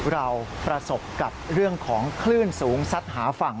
เราประสบกับเรื่องของคลื่นสูงซัดหาฝั่ง